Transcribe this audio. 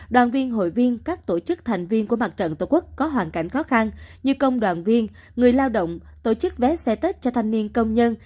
đoàn viên hội viên các tổ chức thành viên của mặt trận tổ quốc có hoàn cảnh khó khăn như công đoàn viên người lao động tổ chức vé xe tết cho thanh niên công nhân